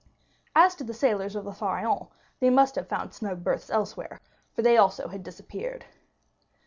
As to the sailors of the Pharaon, they must have found snug berths elsewhere, for they also had disappeared.